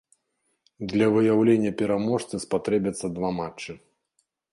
Для выяўлення пераможцы спатрэбяцца два матчы.